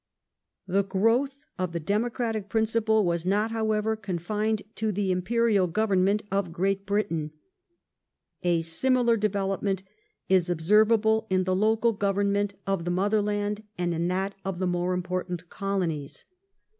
The growth of the democratic principle was not, however, con Local fined to the Imperial Government of Great Britain. A similar ^g^"^" development is observable in the local government of the Mother land and in that of the more important Colonies.